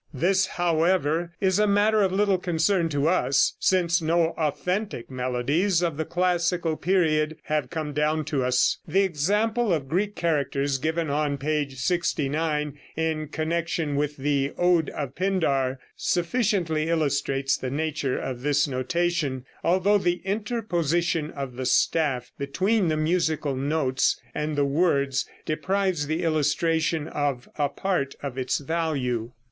This, however, is a matter of little concern to us, since no authentic melodies of the classical period have come down to us. The example of Greek characters given on p. 69, in connection with the Ode of Pindar, sufficiently illustrates the nature of this notation, although the interposition of the staff between the musical notes and the words deprives the illustration of a part of its value.